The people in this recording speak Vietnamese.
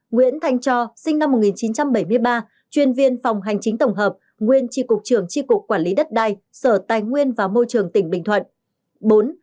bốn nguyễn thanh cho sinh năm một nghìn chín trăm bảy mươi ba chuyên viên phòng hành chính tổng hợp nguyên tri cục trường tri cục quản lý đất đai sở tài nguyên và môi trường tỉnh bình thuận